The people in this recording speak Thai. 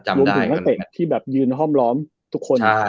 รวมถึงท่านเตะที่แบบยืนห้อมร้อมทุกคน